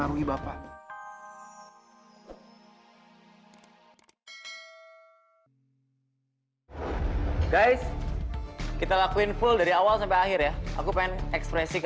aku pecat kamu jadi saudara ngerti